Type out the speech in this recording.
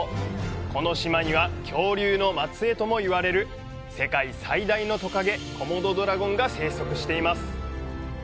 この島には恐竜の末裔とも言われる世界最大のトカゲ、コモドドラゴンが生息しています。